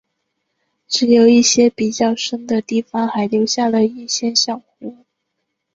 只有一些比较深的地方还留下了一些小湖。